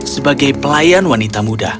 sebagai pelayan wanita muda